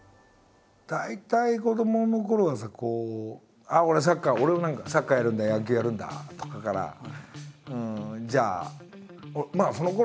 大体子どものころはさこう俺はサッカー俺はサッカーやるんだ野球やるんだとかからじゃあまあそのころ